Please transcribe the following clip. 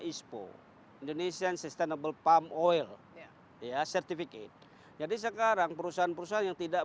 ispo indonesian sustainable palm oil ya certificate jadi sekarang perusahaan perusahaan yang tidak